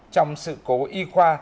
trong sự cố y khoa